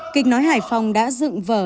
kịch nói hải phòng đã dựng vở